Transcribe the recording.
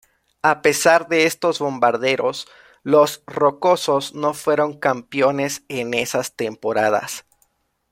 A pesar de estos bombarderos, los Rocosos no fueron campeones en esas temporadas.